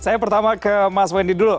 saya pertama ke mas wendy dulu